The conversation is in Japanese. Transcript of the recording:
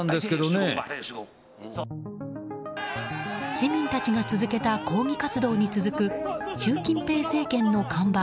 市民たちが続けた抗議活動に続く習近平政権の看板